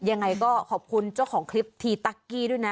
ยังไงก็ขอบคุณเจ้าของคลิปทีตั๊กกี้ด้วยนะ